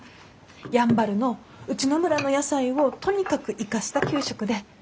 やんばるのうちの村の野菜をとにかく生かした給食で。